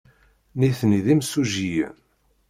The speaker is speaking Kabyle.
Nitni d imsujjiyen.